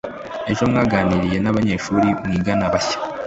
ejo waganiriye nabanyeshuri mwigana bashya